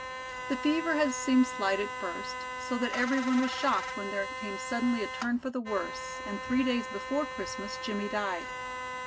The fever had seemed slight at first, so that every one was shocked when there came suddenly a turn for the worse, and three days before Christmas Jimmie died.